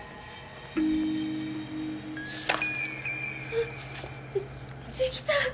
あっできた！